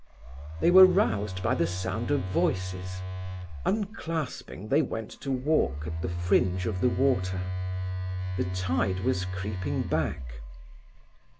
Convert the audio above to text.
They were roused by the sound of voices. Unclasping, they went to walk at the fringe of the water. The tide was creeping back.